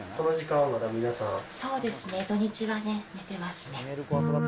そうですね、土日はね、寝てますね。